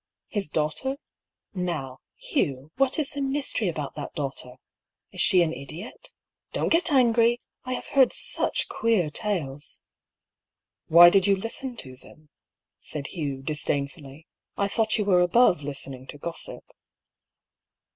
" His daughter ? Now, Hugh, what is the mystery about that daughter? Is she an idiot? Don't get angry ! I have heard such queer tales." "Why did you listen to them?" said Hugh, dis dainfully. "I thought you were above listening to gossip."